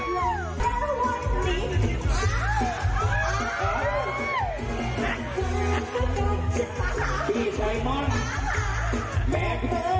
ไม่ทรง